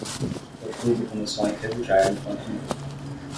O tubo começou a enferrujar enquanto novo.